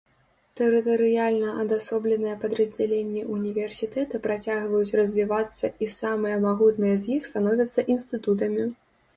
Тэрытарыяльна адасобленыя падраздзяленні ўніверсітэта працягваюць развівацца і самыя магутныя з іх становяцца інстытутамі.